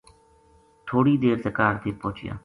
تھوڑی دیر تے کاہڈ ویہ پوہچیا